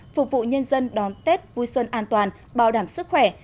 phục vụ nhân dân đón tết vui xuân an toàn bảo đảm sức khỏe